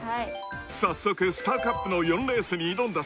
［早速スターカップの４レースに挑んだ３人］